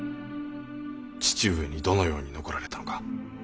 義父上にどのように残られたのか。